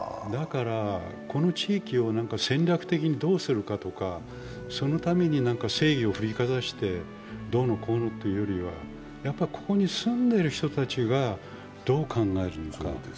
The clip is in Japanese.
この地域を戦略的にどうするかとかそのために正義を振りかざしてどうのこうのというよりは、やっぱ、ここに住んでる人たちがどう考えるのか。